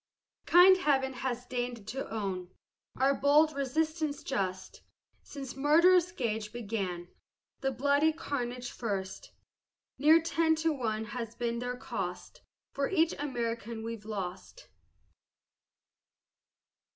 Kind Heaven has deign'd to own Our bold resistance just, Since murderous Gage began The bloody carnage first. Near ten to one has been their cost, For each American we've lost.